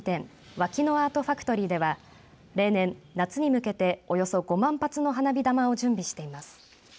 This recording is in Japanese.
ワキノアートファクトリーでは例年、夏に向けておよそ５万発の花火玉を準備しています。